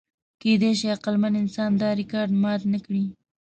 کېدی شي عقلمن انسان دا ریکارډ مات نهکړي.